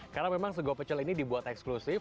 karena memang sego pecel ini dibuat eksklusif